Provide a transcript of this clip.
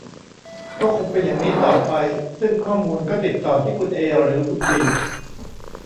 ก็คงเป็นอย่างนี้ต่อไป ซึ่งข้อมูลก็ติดต่อที่คุณเอ หรือคุณบี